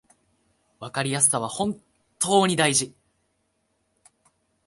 わかりやすさは本当に大事